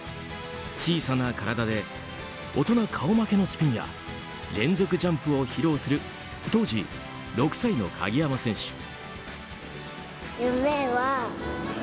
小さな体で大人顔負けのスピンや連続ジャンプを披露する当時６歳の鍵山選手。